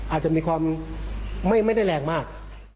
อาจจะมีความไม่ได้แรงมาก